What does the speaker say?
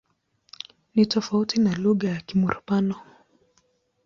Ni tofauti na lugha ya Kimur-Pano.